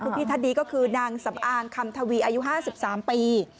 พี่ท่านนี้ก็คือนางสำอางคำทวีอายุ๕๓ปี